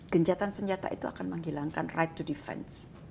gencatan senjata itu akan menghilangkan right to defense